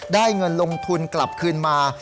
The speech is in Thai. ได้เงินลงทุนกลับคืนมา